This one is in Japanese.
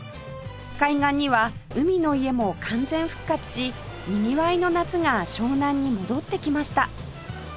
海岸には海の家も完全復活しにぎわいの夏が湘南に戻ってきました